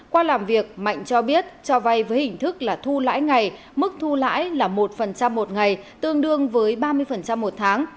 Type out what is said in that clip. qua làm việc mạnh cho biết cho vay với hình thức là thu lãi ngày mức thu lãi là một một ngày tương đương với ba mươi một tháng